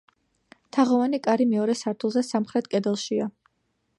თაღოვანი კარი მეორე სართულზე სამხრეთ კედელშია.